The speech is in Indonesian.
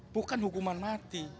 bukan hukuman mati